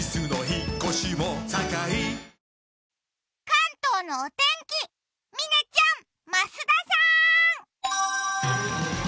関東のお天気、嶺ちゃん、増田さーん。